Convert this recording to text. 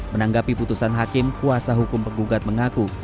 menanggapi putusan hakim kuasa hukum penggugat mengaku